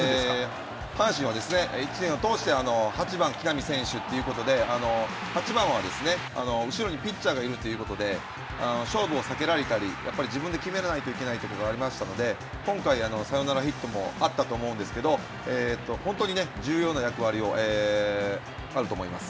阪神は１年を通して、８番木浪選手ということで、８番はですね、後ろにピッチャーがいるということで、勝負を避けられたり、やっぱり自分で決めないといけないところがありましたので、今回、サヨナラヒットもあったと思うんですけれども、本当にね、重要な役割があると思います。